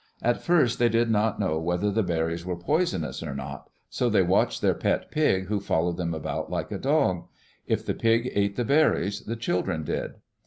At first they did not know whether the berries were poisonous or not, so they watched their pet pig who followed them about like a dog. If the pig ate the berries, the children did.